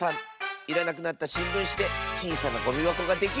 いらなくなったしんぶんしでちいさなゴミばこができる！